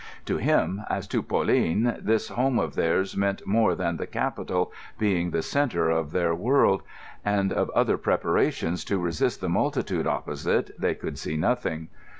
To him, as to Pauline, this home of theirs meant more than the capital, being the centre of their world; and of other preparations to resist the multitude opposite they could see nothing.